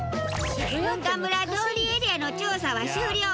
文化村通りエリアの調査は終了。